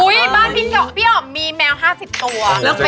บ้านพี่อ๋อมมีแมว๕๐ตัว